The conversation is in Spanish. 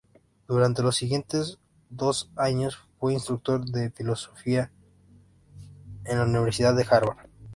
Durante los siguientes dos años fue instructor de fisiología en la Universidad de Harvard.